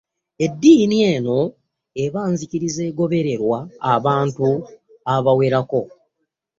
Eddiini; Eno eba nzikiriza egobererwa abantu abawerako.